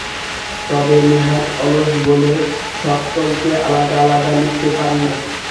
তবে নেহাত অলস বলে সকলকে আলাদা আলাদা লিখতে পারি না।